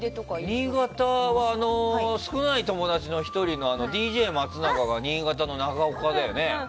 新潟は少ない友達の１人のＤＪ松永が新潟の長岡だよね。